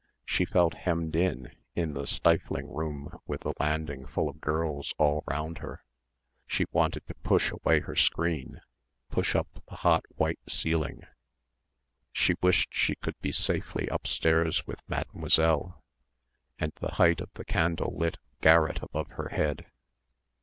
She felt hemmed in in the stifling room with the landing full of girls all round her. She wanted to push away her screen, push up the hot white ceiling. She wished she could be safely upstairs with Mademoiselle and the height of the candle lit garret above her head.